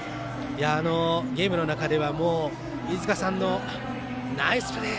ゲームの中では飯塚さんの「ナイスプレー！」